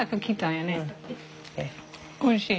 おいしい。